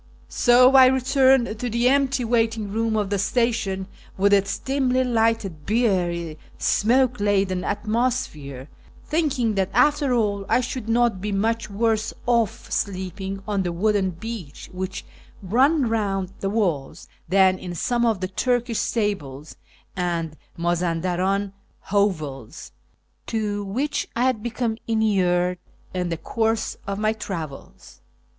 So I returned to the empty waiting room of the station, with its dimly lighted, beery, smoke laden atmosphere, thinking that after all I should not be much worse off sleeping on the wooden bench which ran round the walls, than in some of the Turkish stables and Mazandarani hovels to which I had become inured in the course of my travels.